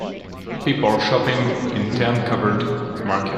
People shopping in tent covered market.